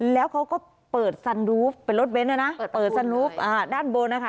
แล้วเขาก็เปิดเป็นรถเบนเลยนะเปิดอ่าด้านบนนะคะ